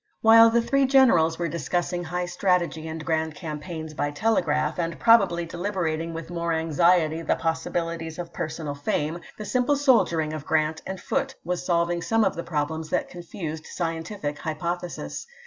While the three generals were discussing high strategy and grand campaigns by telegraph, and probably deliberating with more anxiety the pos sibilities of personal fame, the simple soldiering of Grant and Foote was solving some of the problems that confused scientific hypothesis.